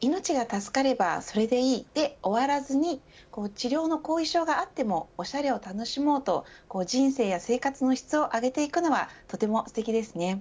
命が助かればそれでいいで終わらずに治療の後遺症があってもおしゃれを楽しもうと人生や生活の質を上げていくのはとてもすてきですね。